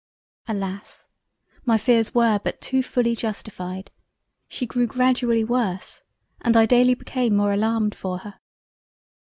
Alas! my fears were but too fully justified; she grew gradually worse—and I daily became more alarmed for her.